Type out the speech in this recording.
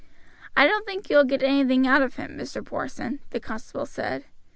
"I don't think you will get anything out of him, Mr. Porson," the constable said.